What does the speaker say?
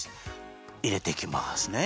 いれていきますね